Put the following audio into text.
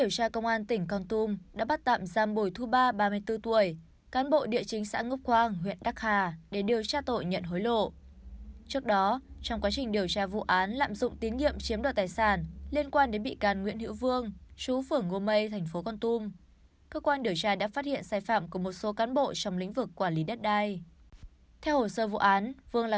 các bạn hãy đăng ký kênh để ủng hộ kênh của chúng mình nhé